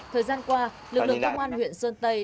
thời gian qua lực lượng công an huyện sơn tây